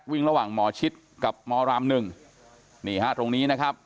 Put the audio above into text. วิ่งระหว่างหมอชิดกับมรามหนึ่งนี่ฮะตรงนี้นะครับ